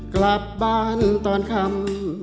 กลับบ้านตอนคำ